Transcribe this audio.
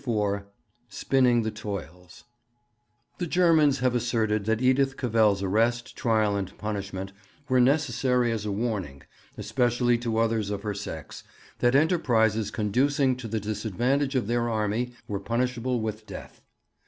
IV SPINNING THE TOILS The Germans have asserted that Edith Cavell's arrest, trial, and punishment were necessary as a warning, especially to others of her sex, that enterprises conducing to the disadvantage of their army were punishable with death.